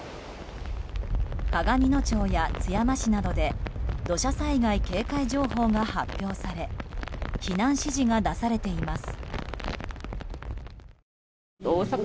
鏡野町や津山市などで土砂災害警戒情報が発表され避難指示が出されています。